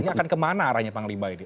ini akan kemana arahnya panglima ini